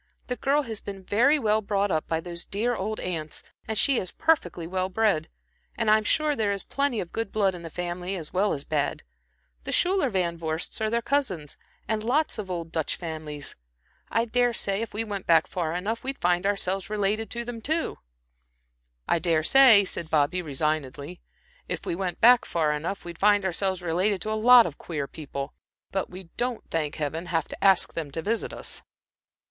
The girl has been very well brought up by those dear old aunts, and she is perfectly well bred. And I'm sure there is plenty of good blood in the family as well as bad. The Schuyler Van Vorsts are their cousins, and lots of old Dutch families. I dare say, if we went far enough back, we'd find ourselves related to them, too." "I dare say," said Bobby, resignedly, "if we went far enough back, we'd find ourselves related to a lot of queer people. But we don't, thank Heaven! have to ask them to visit us."